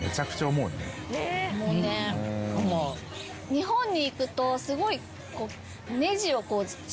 日本に行くとすごい。